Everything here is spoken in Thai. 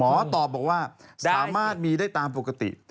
ตอบบอกว่าสามารถมีได้ตามปกติ